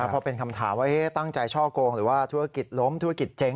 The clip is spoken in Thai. พอเป็นคำถามว่าตั้งใจช่อกงหรือว่าธุรกิจล้มธุรกิจเจ๊ง